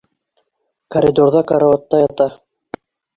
Коридорҙа карауатта ята.